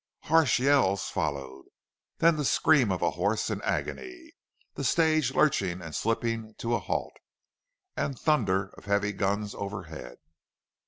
Harsh yells followed, then the scream of a horse in agony, the stage lurching and slipping to a halt, and thunder of heavy guns overhead.